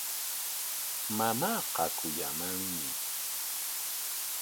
Mamaaqa kuyamanmi.